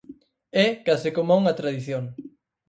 É case coma unha tradición.